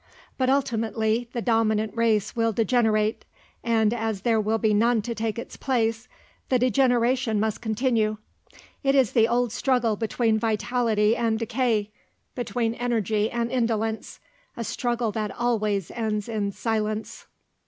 But ultimately the dominant race will degenerate, and as there will be none to take its place, the degeneration must continue. It is the old struggle between vitality and decay, between energy and indolence; a struggle that always ends in silence.